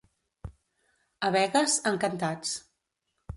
A Begues, encantats.